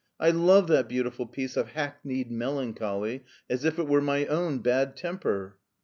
" I love that beautiful piece of hackneyed melancholy as if it were my own bad temper."